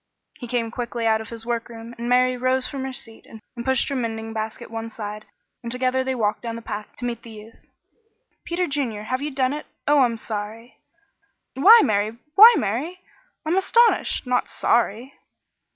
He came quickly out from his workroom, and Mary rose from her seat and pushed her mending basket one side, and together they walked down the path to meet the youth. "Peter Junior, have you done it? Oh, I'm sorry!" "Why, Mary! why, Mary! I'm astonished! Not sorry?"